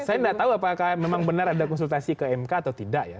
saya tidak tahu apakah memang benar ada konsultasi ke mk atau tidak ya